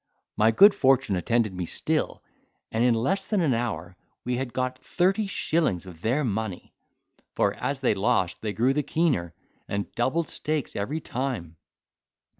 My good fortune attended me still, and in less than an hour we had got thirty shillings of their money, for as they lost they grew the keener, and doubled stakes every time.